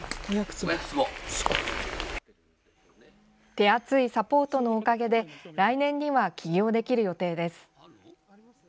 手厚いサポートのおかげで来年には起業できる予定です。